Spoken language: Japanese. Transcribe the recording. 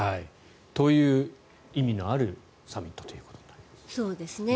という意味のあるサミットということになります。